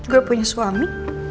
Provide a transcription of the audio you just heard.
gue punya suami